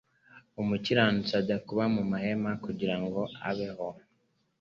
umukiranutsi ajya kuba mu mahema kugira ngo abeho